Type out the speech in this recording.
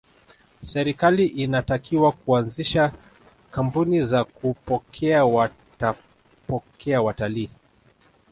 serikali inatakiwa kuanzisha kambuni za kupokea watapokea watalii